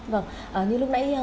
vâng như lúc nãy